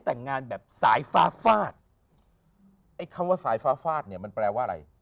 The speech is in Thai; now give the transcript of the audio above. แต่งงานแบบสายฟ้าฟาดไอ้คำว่าสายฟ้าฟาดเนี่ยมันแปลว่าอะไร